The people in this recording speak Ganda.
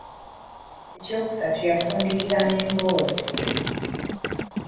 Eyookusatu ye nfunkidira y'emboozi.